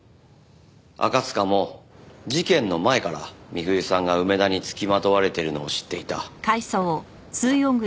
赤塚も事件の前から美冬さんが梅田に付きまとわれているのを知っていた。